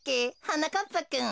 はなかっぱくん。